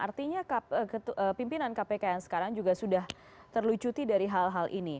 artinya pimpinan kpk yang sekarang juga sudah terlucuti dari hal hal ini